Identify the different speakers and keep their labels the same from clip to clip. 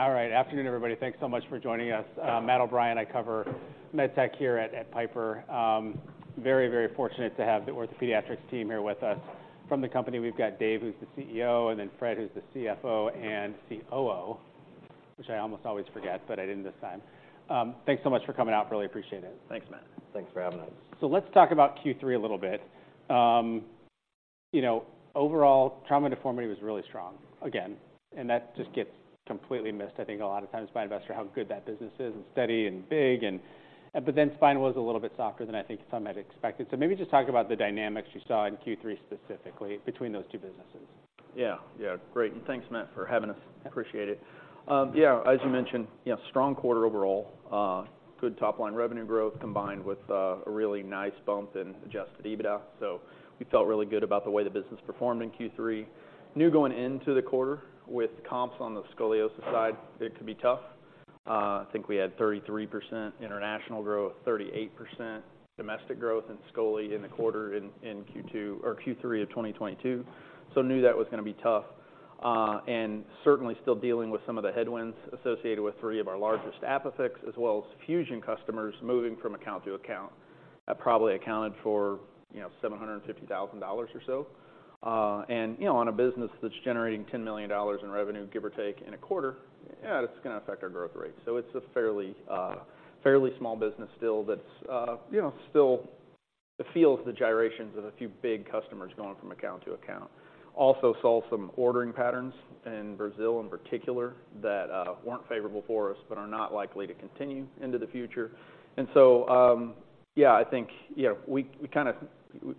Speaker 1: All right. Afternoon, everybody. Thanks so much for joining us. Matt O'Brien, I cover MedTech here at, at Piper. Very, very fortunate to have the OrthoPediatrics team here with us. From the company, we've got Dave, who's the CEO, and then Fred, who's the CFO and COO, which I almost always forget, but I didn't this time. Thanks so much for coming out. Really appreciate it.
Speaker 2: Thanks, Matt.
Speaker 3: Thanks for having us.
Speaker 1: So let's talk about Q3 a little bit. You know, overall, trauma deformity was really strong again, and that just gets completely missed, I think, a lot of times by investors, how good that business is, and steady and big and... But then spine was a little bit softer than I think some had expected. So maybe just talk about the dynamics you saw in Q3, specifically between those two businesses.
Speaker 2: Yeah. Yeah, great. And thanks, Matt, for having us. Appreciate it. Yeah, as you mentioned, you know, strong quarter overall, good top line revenue growth combined with a really nice bump in Adjusted EBITDA. So we felt really good about the way the business performed in Q3. Knew going into the quarter with comps on the scoliosis side, it could be tough. I think we had 33% international growth, 38% domestic growth in scoli in the quarter, in Q2 or Q3 of 2022. So knew that was gonna be tough, and certainly still dealing with some of the headwinds associated with three of our largest ApiFix, as well as fusion customers moving from account to account. That probably accounted for, you know, $750,000 or so. And, you know, on a business that's generating $10 million in revenue, give or take in a quarter, yeah, it's gonna affect our growth rate. So it's a fairly, fairly small business still that's, you know, still feels the gyrations of a few big customers going from account to account. Also saw some ordering patterns in Brazil in particular, that weren't favorable for us, but are not likely to continue into the future. So, yeah, I think, you know,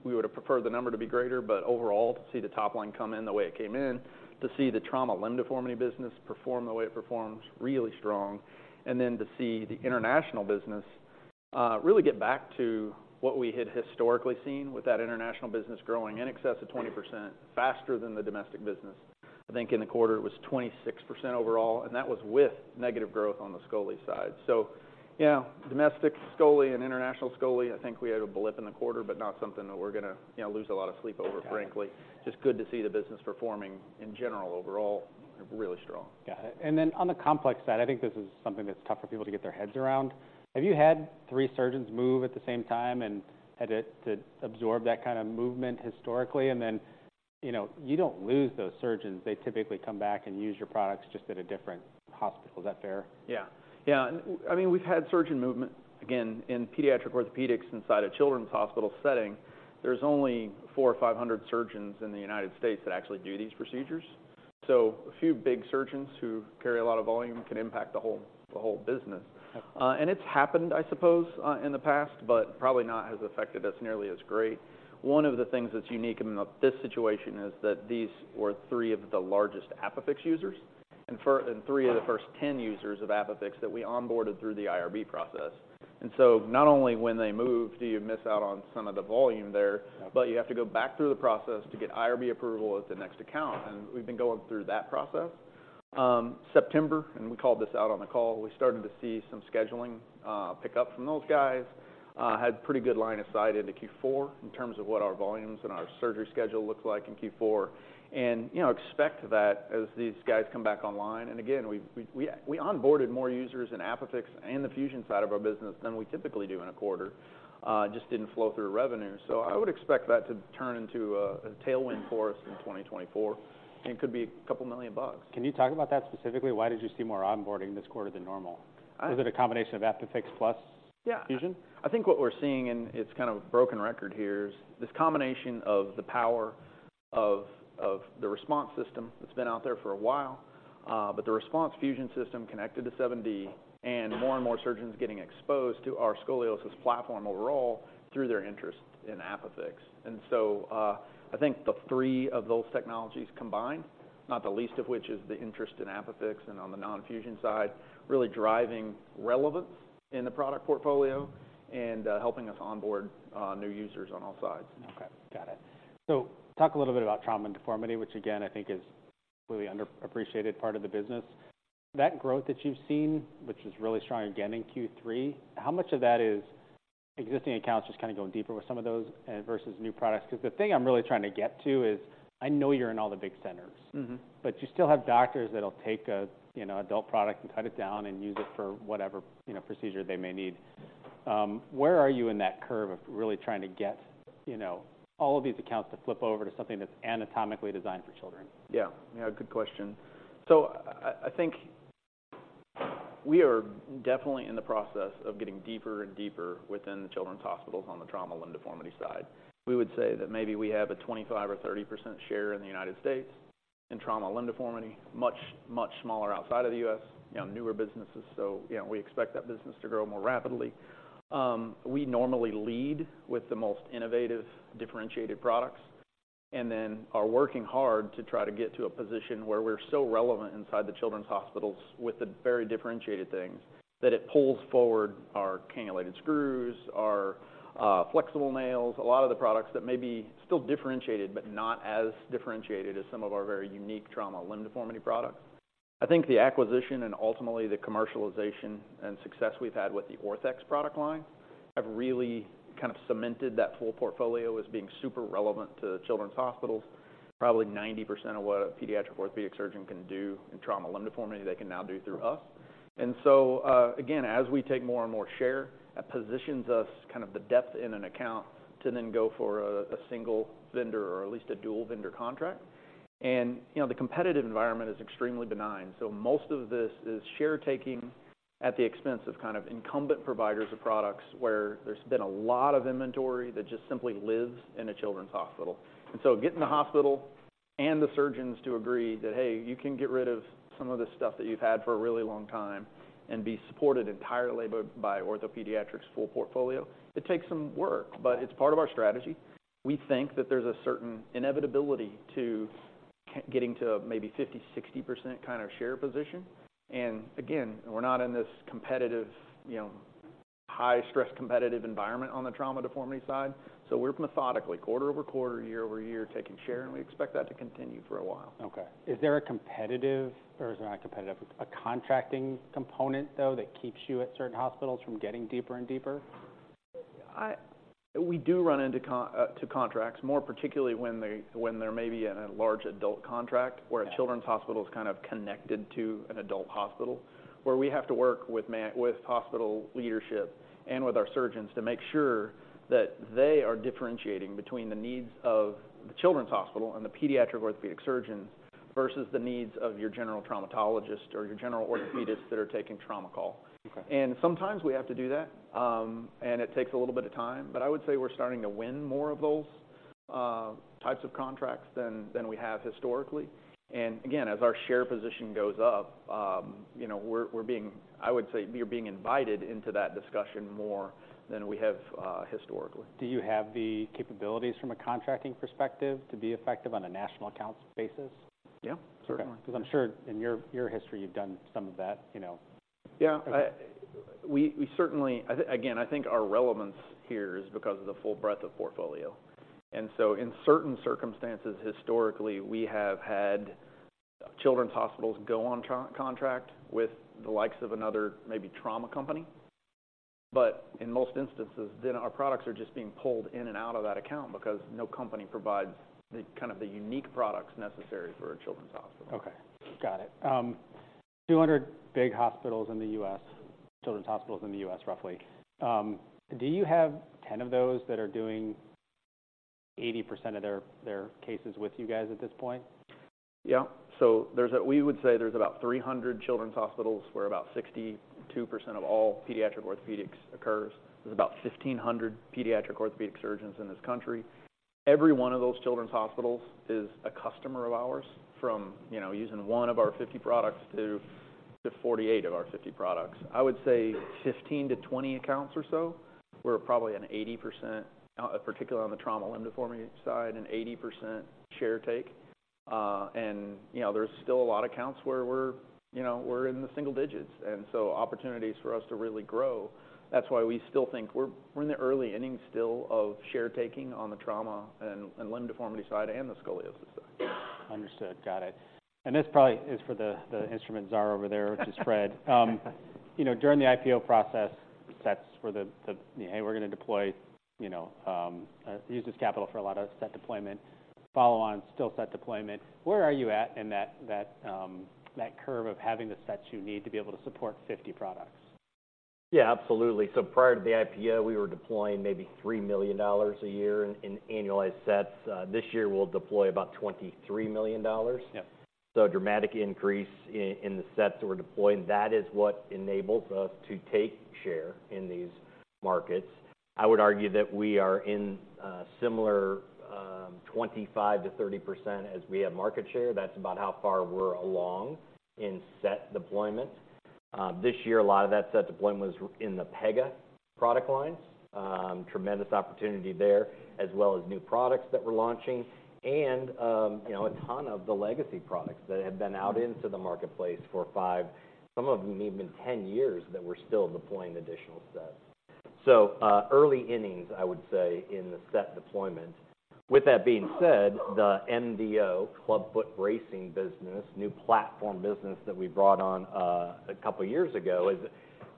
Speaker 2: we would have preferred the number to be greater, but overall, to see the top line come in the way it came in, to see the trauma limb deformity business perform the way it performs, really strong, and then to see the international business really get back to what we had historically seen with that international business growing in excess of 20% faster than the domestic business. I think in the quarter, it was 26% overall, and that was with negative growth on the scoli side. So yeah, domestic scoli and international scoli, I think we had a blip in the quarter, but not something that we're gonna, you know, lose a lot of sleep over, frankly.
Speaker 1: Got it.
Speaker 2: Just good to see the business performing in general overall, really strong.
Speaker 1: Got it. And then on the complex side, I think this is something that's tough for people to get their heads around. Have you had three surgeons move at the same time and had to absorb that kind of movement historically? And then, you know, you don't lose those surgeons. They typically come back and use your products just at a different hospital. Is that fair?
Speaker 2: Yeah. Yeah, and I mean, we've had surgeon movement, again, in pediatric orthopedics inside a children's hospital setting. There's only 400-500 surgeons in the United States that actually do these procedures. So a few big surgeons who carry a lot of volume can impact the whole, the whole business.
Speaker 1: Yeah.
Speaker 2: And it's happened, I suppose, in the past, but probably not as affected us nearly as great. One of the things that's unique about this situation is that these were three of the largest ApiFix users, and fir-
Speaker 1: Wow!
Speaker 2: three of the first 10 users of ApiFix that we onboarded through the IRB process. So not only when they move, do you miss out on some of the volume there-
Speaker 1: Yeah...
Speaker 2: but you have to go back through the process to get IRB approval at the next account, and we've been going through that process. September, and we called this out on the call, we started to see some scheduling pick up from those guys. Had pretty good line of sight into Q4 in terms of what our volumes and our surgery schedule looks like in Q4. And, you know, expect that as these guys come back online, and again, we onboarded more users in ApiFix and the fusion side of our business than we typically do in a quarter, just didn't flow through revenue. So I would expect that to turn into a tailwind for us in 2024, and it could be $2 million.
Speaker 1: Can you talk about that specifically? Why did you see more onboarding this quarter than normal?
Speaker 2: I-
Speaker 1: Was it a combination of ApiFix plus-
Speaker 2: Yeah
Speaker 1: -fusion?
Speaker 2: I think what we're seeing, and it's kind of a broken record here, is this combination of the power of, of the RESPONSE system that's been out there for a while, but the RESPONSE fusion system connected to 7D, and more and more surgeons getting exposed to our scoliosis platform overall through their interest in ApiFix. And so, I think the three of those technologies combined, not the least of which is the interest in ApiFix, and on the non-fusion side, really driving relevance in the product portfolio and, helping us onboard, new users on all sides.
Speaker 1: Okay, got it. So talk a little bit about Trauma and Deformity, which again, I think is really underappreciated part of the business. That growth that you've seen, which is really strong again in Q3, how much of that is existing accounts just kinda going deeper with some of those, versus new products? Because the thing I'm really trying to get to is, I know you're in all the big centers-
Speaker 2: Mm-hmm...
Speaker 1: but you still have doctors that'll take a, you know, adult product and cut it down and use it for whatever, you know, procedure they may need. Where are you in that curve of really trying to get, you know, all of these accounts to flip over to something that's anatomically designed for children?
Speaker 2: Yeah. Yeah, good question. So I think we are definitely in the process of getting deeper and deeper within the children's hospitals on the trauma limb deformity side. We would say that maybe we have a 25%-30% share in the United States in trauma limb deformity, much, much smaller outside of the U.S., you know, newer businesses, so, you know, we expect that business to grow more rapidly. We normally lead with the most innovative, differentiated products and then are working hard to try to get to a position where we're so relevant inside the children's hospitals with the very differentiated things, that it pulls forward our cannulated screws, our flexible nails, a lot of the products that may be still differentiated, but not as differentiated as some of our very unique trauma limb deformity products. I think the acquisition and ultimately the commercialization and success we've had with the Orthex product line have really kind of cemented that full portfolio as being super relevant to children's hospitals. Probably 90% of what a pediatric orthopedic surgeon can do in trauma limb deformity, they can now do through us. And so, again, as we take more and more share, that positions us kind of the depth in an account to then go for a single vendor or at least a dual vendor contract. And, you know, the competitive environment is extremely benign, so most of this is share taking at the expense of kind of incumbent providers of products, where there's been a lot of inventory that just simply lives in a children's hospital. So getting the hospital and the surgeons to agree that, "Hey, you can get rid of some of this stuff that you've had for a really long time and be supported entirely by OrthoPediatrics' full portfolio," it takes some work, but it's part of our strategy. We think that there's a certain inevitability to getting to maybe 50%-60% kind of share position. And again, we're not in this competitive, you know, high-stress, competitive environment on the trauma deformity side, so we're methodically, quarter-over-quarter, year-over-year, taking share, and we expect that to continue for a while.
Speaker 1: Okay. Is there a competitive... or is not competitive, a contracting component, though, that keeps you at certain hospitals from getting deeper and deeper?
Speaker 2: We do run into contracts, more particularly when they, when there may be a large adult contract-
Speaker 1: Yeah...
Speaker 2: where a children's hospital is kind of connected to an adult hospital, where we have to work with hospital leadership and with our surgeons to make sure that they are differentiating between the needs of the children's hospital and the pediatric orthopedic surgeons versus the needs of your general traumatologist or your general orthopedists that are taking trauma call.
Speaker 1: Okay.
Speaker 2: Sometimes we have to do that, and it takes a little bit of time, but I would say we're starting to win more of those types of contracts than we have historically. Again, as our share position goes up, you know, we're being, I would say, we are being invited into that discussion more than we have historically.
Speaker 1: Do you have the capabilities from a contracting perspective to be effective on a national accounts basis?
Speaker 2: Yeah, certainly.
Speaker 1: Okay. Because I'm sure in your history, you've done some of that, you know?
Speaker 2: Yeah. I-
Speaker 1: Okay.
Speaker 2: We certainly. Again, I think our relevance here is because of the full breadth of portfolio. And so in certain circumstances, historically, we have had children's hospitals go on contract with the likes of another, maybe trauma company. But in most instances, then our products are just being pulled in and out of that account because no company provides the kind of unique products necessary for a children's hospital.
Speaker 1: Okay, got it. 200 big hospitals in the U.S., children's hospitals in the U.S., roughly. Do you have 10 of those that are doing 80% of their cases with you guys at this point?
Speaker 2: We would say, there's about 300 children's hospitals, where about 62% of all pediatric orthopedics occurs. There's about 1,500 pediatric orthopedic surgeons in this country. Every one of those children's hospitals is a customer of ours, from, you know, using one of our 50 products to 48 of our 50 products. I would say 15-20 accounts or so, we're probably at 80%, particularly on the trauma limb deformity side, an 80% share take. And, you know, there's still a lot of accounts where we're, you know, we're in the single digits, and so opportunities for us to really grow. That's why we still think we're in the early innings still of share taking on the trauma and limb deformity side and the scoliosis side.
Speaker 1: Understood. Got it. And this probably is for the instrument czar over there, which is Fred. You know, during the IPO process, sets were the, "Hey, we're going to deploy, you know, use this capital for a lot of set deployment, follow on still set deployment." Where are you at in that curve of having the sets you need to be able to support 50 products?
Speaker 3: Yeah, absolutely. So prior to the IPO, we were deploying maybe $3 million a year in annualized sets. This year, we'll deploy about $23 million.
Speaker 1: Yeah.
Speaker 3: A dramatic increase in the sets that we're deploying. That is what enables us to take share in these markets. I would argue that we are in a similar 25%-30% as we have market share. That's about how far we're along in set deployment. This year, a lot of that set deployment was in the Pega product lines. Tremendous opportunity there, as well as new products that we're launching and, you know, a ton of the legacy products that have been out into the marketplace for five, some of them even 10 years, that we're still deploying additional sets. So, early innings, I would say, in the set deployment. With that being said, the MDO clubfoot bracing business, new platform business that we brought on, a couple of years ago, has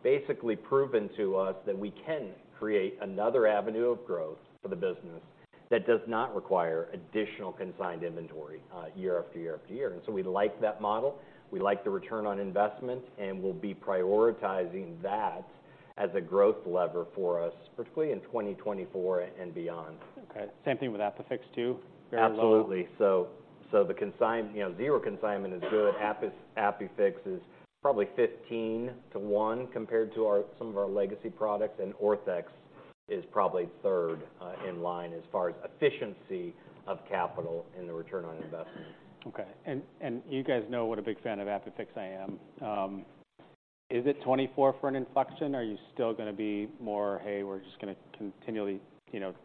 Speaker 3: basically proven to us that we can create another avenue of growth for the business that does not require additional consigned inventory, year after year after year. And so we like that model, we like the return on investment, and we'll be prioritizing that as a growth lever for us, particularly in 2024 and beyond.
Speaker 1: Okay. Same thing with ApiFix, too? Very low-
Speaker 3: Absolutely. So, the consignment, you know, zero consignment is good. ApiFix is probably 15 to 1 compared to our, some of our legacy products, and Orthex is probably third in line as far as efficiency of capital and the return on investment.
Speaker 1: Okay. And you guys know what a big fan of ApiFix I am. Is it 2024 for an inflection, or are you still gonna be more, "Hey, we're just gonna continually, you know,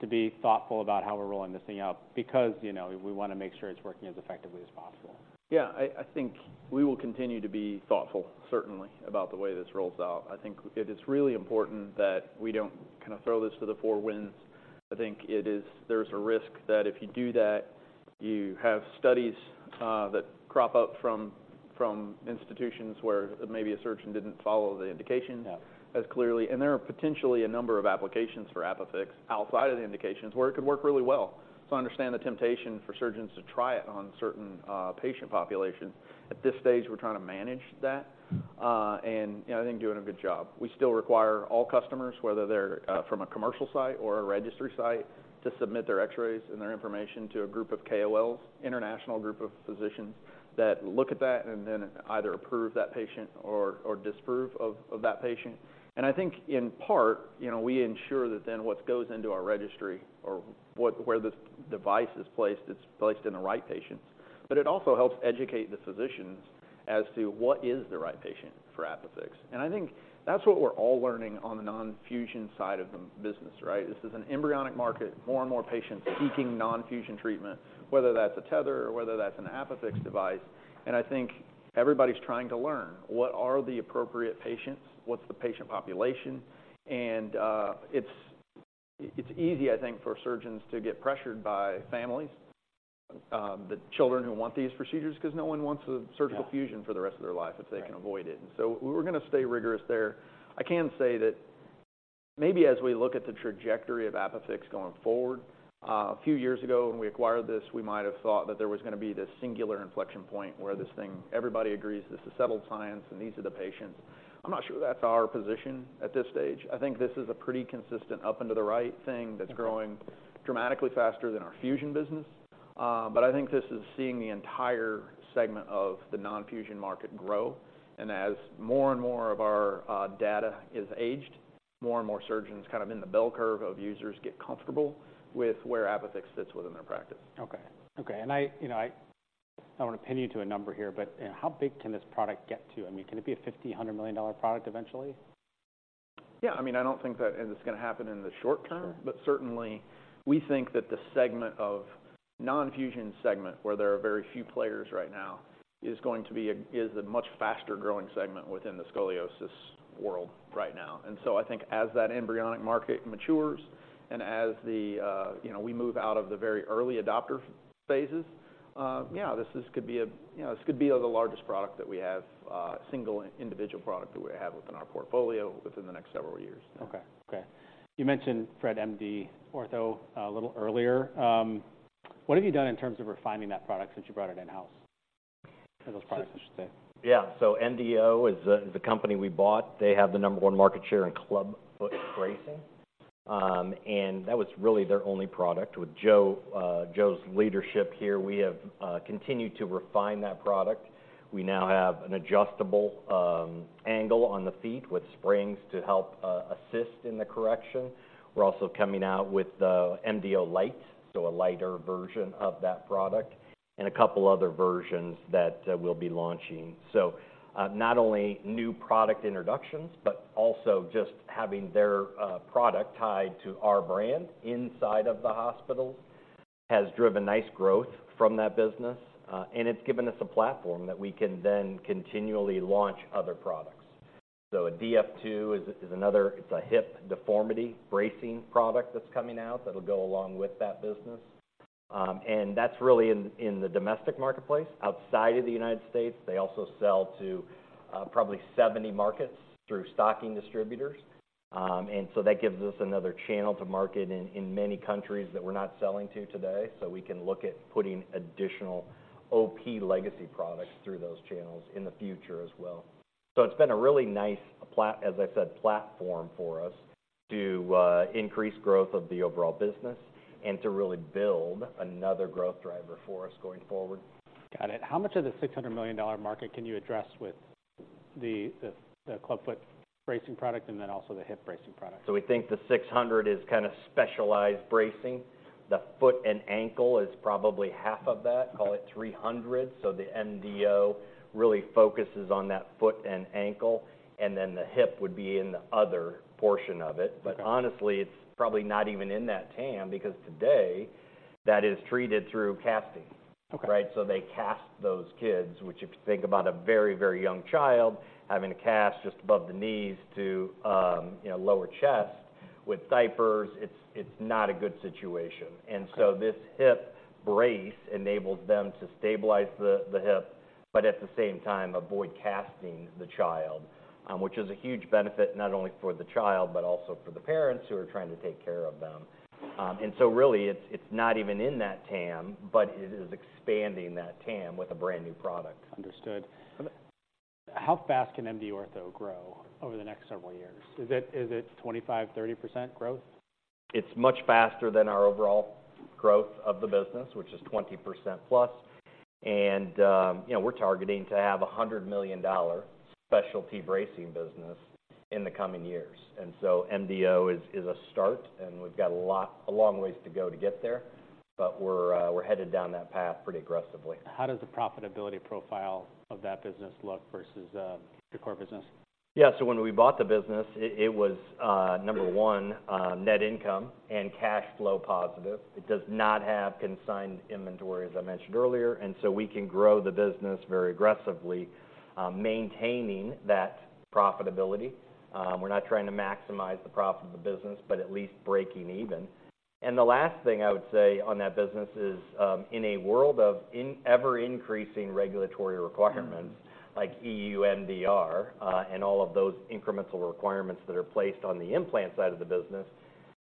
Speaker 1: to be thoughtful about how we're rolling this thing out, because, you know, we want to make sure it's working as effectively as possible?
Speaker 2: Yeah, I, I think we will continue to be thoughtful, certainly, about the way this rolls out. I think it is really important that we don't kind of throw this to the four winds. I think it is. There's a risk that if you do that, you have studies that crop up from institutions where maybe a surgeon didn't follow the indication-
Speaker 1: Yeah
Speaker 2: as clearly, and there are potentially a number of applications for ApiFix outside of the indications where it could work really well. So I understand the temptation for surgeons to try it on certain patient populations. At this stage, we're trying to manage that, and, you know, I think doing a good job. We still require all customers, whether they're from a commercial site or a registry site, to submit their X-rays and their information to a group of KOLs, international group of physicians, that look at that and then either approve that patient or disapprove of that patient. And I think in part, you know, we ensure that then what goes into our registry or what—where this device is placed, it's placed in the right patients. But it also helps educate the physicians as to what is the right patient for ApiFix. And I think that's what we're all learning on the non-fusion side of the business, right? This is an embryonic market, more and more patients seeking non-fusion treatment, whether that's a tether or whether that's an ApiFix device. And I think everybody's trying to learn, what are the appropriate patients? What's the patient population? And it's easy, I think, for surgeons to get pressured by families, the children who want these procedures, because no one wants a surgical fusion-
Speaker 1: Yeah
Speaker 2: for the rest of their life if they can avoid it.
Speaker 1: Right.
Speaker 2: So we're going to stay rigorous there. I can say that maybe as we look at the trajectory of ApiFix going forward, a few years ago, when we acquired this, we might have thought that there was going to be this singular inflection point where this thing, everybody agrees this is settled science, and these are the patients. I'm not sure that's our position at this stage. I think this is a pretty consistent up and to the right thing that's growing dramatically faster than our fusion business. But I think this is seeing the entire segment of the non-fusion market grow. And as more and more of our data is aged, more and more surgeons, kind of in the bell curve of users, get comfortable with where ApiFix fits within their practice.
Speaker 1: Okay. Okay, and I, you know, I don't want to pin you to a number here, but, how big can this product get to? I mean, can it be a $50 million-$100 million product eventually?
Speaker 2: Yeah. I mean, I don't think that it's going to happen in the short term.
Speaker 1: Sure.
Speaker 2: But certainly, we think that the segment of non-fusion segment, where there are very few players right now, is going to be a much faster-growing segment within the scoliosis world right now. And so I think as that embryonic market matures and as the, you know, we move out of the very early adopter phases, this could be a, you know, this could be the largest product that we have, single individual product that we have within our portfolio within the next several years.
Speaker 1: Okay. Okay. You mentioned from MD Ortho a little earlier. What have you done in terms of refining that product since you brought it in-house? Or those products, I should say.
Speaker 3: Yeah. So MDO is the company we bought. They have the number one market share in clubfoot bracing, and that was really their only product. With Joe, Joe's leadership here, we have continued to refine that product. We now have an adjustable angle on the feet with springs to help assist in the correction. We're also coming out with the MDO Lite, so a lighter version of that product, and a couple other versions that we'll be launching. So, not only new product introductions, but also just having their product tied to our brand inside of the hospital, has driven nice growth from that business. And it's given us a platform that we can then continually launch other products. So a DF2 is another, it's a hip deformity bracing product that's coming out that'll go along with that business. And that's really in the domestic marketplace. Outside of the United States, they also sell to probably 70 markets through stocking distributors. And so that gives us another channel to market in many countries that we're not selling to today. So we can look at putting additional OP legacy products through those channels in the future as well. So it's been a really nice platform for us to increase growth of the overall business and to really build another growth driver for us going forward.
Speaker 1: Got it. How much of the $600 million market can you address with the clubfoot bracing product and then also the hip bracing product?
Speaker 3: We think the $600 is kind of specialized bracing. The foot and ankle is probably half of that, call it $300. The MDO really focuses on that foot and ankle, and then the hip would be in the other portion of it.
Speaker 1: Okay.
Speaker 3: But honestly, it's probably not even in that TAM, because today, that is treated through casting.
Speaker 1: Okay.
Speaker 3: Right? So they cast those kids, which if you think about a very, very young child having a cast just above the knees to, you know, lower chest with diapers, it's, it's not a good situation.
Speaker 1: Okay.
Speaker 3: And so this hip brace enables them to stabilize the hip, but at the same time, avoid casting the child, which is a huge benefit, not only for the child, but also for the parents who are trying to take care of them. And so really, it's not even in that TAM, but it is expanding that TAM with a brand-new product.
Speaker 1: Understood. How fast can MD Ortho grow over the next several years? Is it 25%-30% growth?
Speaker 3: It's much faster than our overall growth of the business, which is 20% plus. You know, we're targeting to have a $100 million specialty bracing business in the coming years. So MDO is a start, and we've got a lot a long ways to go to get there, but we're headed down that path pretty aggressively.
Speaker 1: How does the profitability profile of that business look versus your core business?
Speaker 3: Yeah, so when we bought the business, it, it was number one on net income and cash flow positive. It does not have consigned inventory, as I mentioned earlier, and so we can grow the business very aggressively, maintaining that profitability. We're not trying to maximize the profit of the business, but at least breaking even. And the last thing I would say on that business is, in a world of ever-increasing regulatory requirements, like EU MDR, and all of those incremental requirements that are placed on the implant side of the business,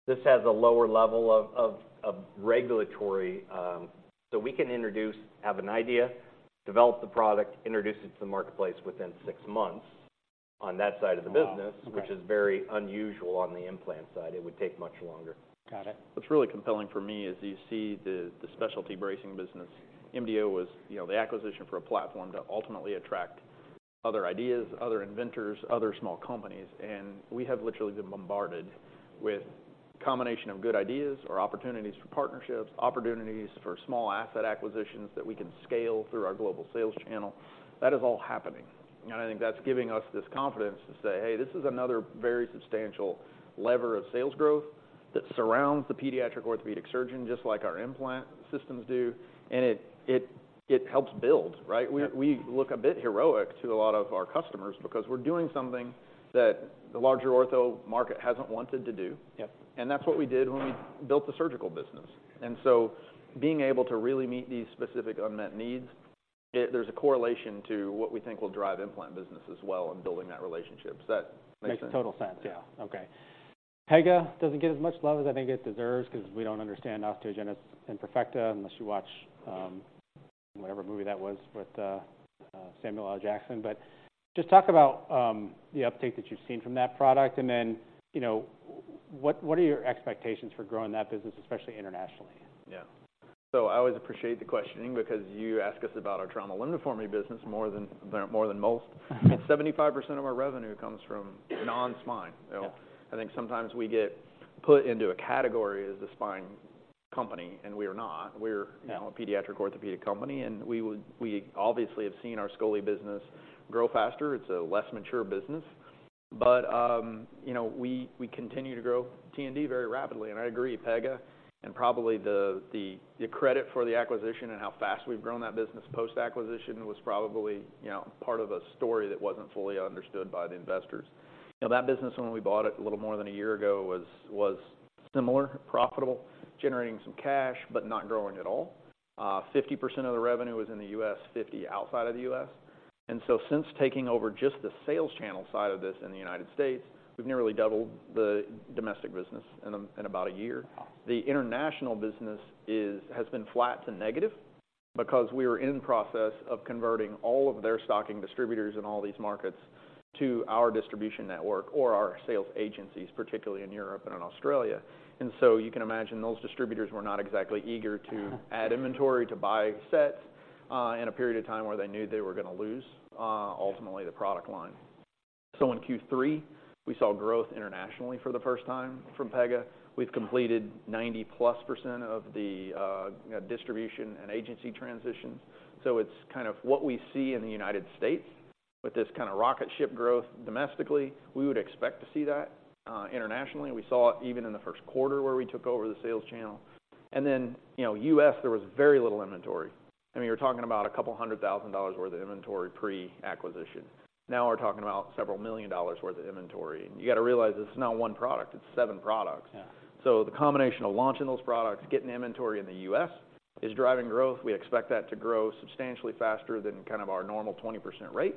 Speaker 3: this has a lower level of regulatory. So we can introduce, have an idea, develop the product, introduce it to the marketplace within six months on that side of the business-
Speaker 1: Wow! Okay.
Speaker 3: -which is very unusual. On the implant side, it would take much longer.
Speaker 1: Got it.
Speaker 2: What's really compelling for me is you see the specialty bracing business. MDO was, you know, the acquisition for a platform to ultimately attract other ideas, other inventors, other small companies, and we have literally been bombarded with a combination of good ideas or opportunities for partnerships, opportunities for small asset acquisitions that we can scale through our global sales channel. That is all happening, and I think that's giving us this confidence to say, "Hey, this is another very substantial lever of sales growth that surrounds the pediatric orthopedic surgeon, just like our implant systems do," and it helps build, right?
Speaker 1: Yeah.
Speaker 2: We look a bit heroic to a lot of our customers because we're doing something that the larger ortho market hasn't wanted to do.
Speaker 1: Yep.
Speaker 2: And that's what we did when we built the surgical business. And so being able to really meet these specific unmet needs, it, there's a correlation to what we think will drive implant business as well and building that relationship. Does that make sense?
Speaker 1: Makes total sense.
Speaker 2: Yeah.
Speaker 1: Okay. Pega doesn't get as much love as I think it deserves, 'cause we don't understand osteogenesis imperfecta unless you watch whatever movie that was with Samuel L. Jackson. But just talk about the uptake that you've seen from that product, and then, you know, what are your expectations for growing that business, especially internationally?
Speaker 2: Yeah. So I always appreciate the questioning because you ask us about our trauma limb deformity business more than-more than most. 75% of our revenue comes from non-spine.
Speaker 1: Yeah.
Speaker 2: You know, I think sometimes we get put into a category as a spine company, and we are not.
Speaker 1: Yeah.
Speaker 2: We're, you know, a pediatric orthopedic company, and we would, we obviously have seen our scoliosis business grow faster. It's a less mature business, but, you know, we continue to grow T&D very rapidly. And I agree, Pega and probably the credit for the acquisition and how fast we've grown that business post-acquisition was probably, you know, part of a story that wasn't fully understood by the investors. You know, that business, when we bought it a little more than a year ago, was similar, profitable, generating some cash, but not growing at all. 50% of the revenue was in the U.S., 50% outside of the U.S. And so since taking over just the sales channel side of this in the United States, we've nearly doubled the domestic business in about a year.
Speaker 1: Wow!
Speaker 2: The international business has been flat to negative because we were in the process of converting all of their stocking distributors in all these markets to our distribution network or our sales agencies, particularly in Europe and in Australia. And so you can imagine, those distributors were not exactly eager to add inventory, to buy sets, in a period of time where they knew they were gonna lose, ultimately, the product line. So in Q3, we saw growth internationally for the first time from Pega. We've completed 90+% of the distribution and agency transitions. So it's kind of what we see in the United States, with this kind of rocket ship growth domestically. We would expect to see that, internationally. We saw it even in the first quarter, where we took over the sales channel. And then, you know, U.S., there was very little inventory. I mean, you're talking about $200,000 worth of inventory pre-acquisition. Now, we're talking about several million dollars worth of inventory. You gotta realize this is not one product, it's seven products.
Speaker 1: Yeah.
Speaker 2: So the combination of launching those products, getting inventory in the U.S., is driving growth. We expect that to grow substantially faster than kind of our normal 20% rate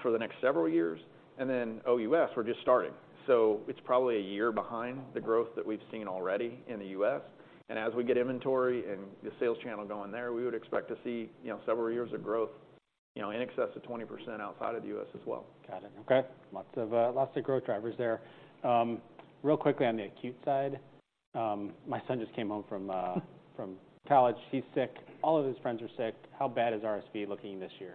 Speaker 2: for the next several years. And then, OUS, we're just starting, so it's probably a year behind the growth that we've seen already in the U.S. And as we get inventory and the sales channel going there, we would expect to see, you know, several years of growth, you know, in excess of 20% outside of the U.S. as well.
Speaker 1: Got it. Okay. Lots of, lots of growth drivers there. Real quickly on the acute side, my son just came home from, from college. He's sick. All of his friends are sick. How bad is RSV looking this year?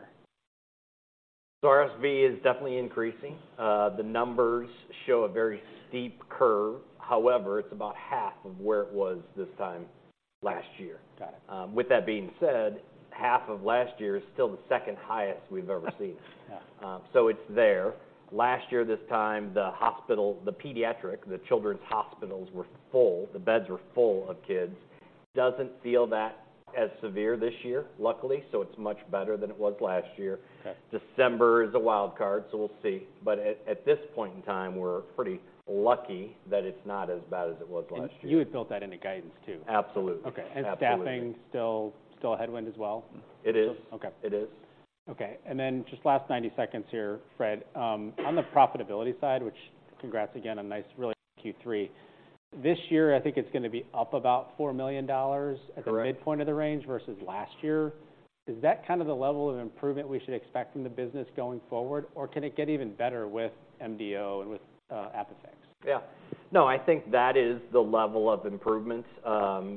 Speaker 3: RSV is definitely increasing. The numbers show a very steep curve. However, it's about half of where it was this time last year.
Speaker 1: Got it.
Speaker 3: With that being said, half of last year is still the second highest we've ever seen.
Speaker 1: Yeah.
Speaker 3: So it's there. Last year, this time, the hospital, the pediatric, the children's hospitals were full, the beds were full of kids. Doesn't feel that as severe this year, luckily, so it's much better than it was last year.
Speaker 1: Okay.
Speaker 3: December is a wild card, so we'll see. But at this point in time, we're pretty lucky that it's not as bad as it was last year.
Speaker 1: You had built that into guidance, too?
Speaker 3: Absolutely.
Speaker 1: Okay.
Speaker 3: Absolutely.
Speaker 1: Staffing still a headwind as well?
Speaker 3: It is.
Speaker 1: Okay.
Speaker 3: It is.
Speaker 1: Okay, and then just last 90 seconds here, Fred. On the profitability side, which congrats again, on nice, really Q3. This year, I think it's gonna be up about $4 million-
Speaker 3: Correct.
Speaker 1: at the midpoint of the range versus last year. Is that kind of the level of improvement we should expect from the business going forward, or can it get even better with MDO and with ApiFix?
Speaker 3: Yeah. No, I think that is the level of improvement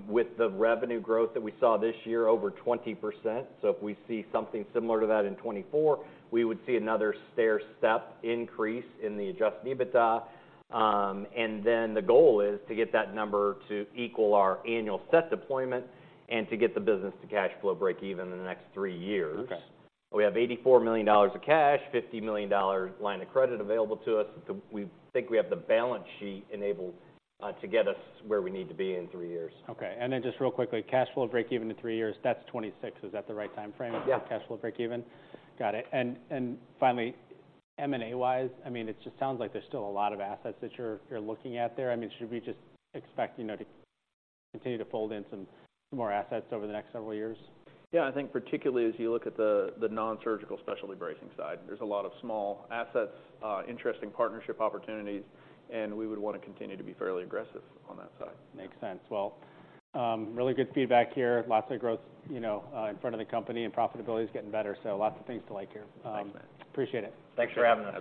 Speaker 3: with the revenue growth that we saw this year, over 20%. So if we see something similar to that in 2024, we would see another stairstep increase in the Adjusted EBITDA. And then the goal is to get that number to equal our annual set deployment and to get the business to cash flow breakeven in the next three years.
Speaker 1: Okay.
Speaker 3: We have $84 million of cash, $50 million dollar line of credit available to us. We think we have the balance sheet enabled to get us where we need to be in three years.
Speaker 1: Okay, and then just real quickly, cash flow breakeven in three years, that's 2026. Is that the right timeframe?
Speaker 3: Yeah.
Speaker 1: -for cash flow breakeven? Got it. And finally, M&A-wise, I mean, it just sounds like there's still a lot of assets that you're looking at there. I mean, should we just expect, you know, to continue to fold in some more assets over the next several years?
Speaker 2: Yeah, I think particularly as you look at the nonsurgical specialty bracing side, there's a lot of small assets, interesting partnership opportunities, and we would want to continue to be fairly aggressive on that side.
Speaker 1: Makes sense. Well, really good feedback here. Lots of growth, you know, in front of the company, and profitability is getting better, so lots of things to like here.
Speaker 3: Thanks, man.
Speaker 1: Appreciate it.
Speaker 3: Thanks for having us.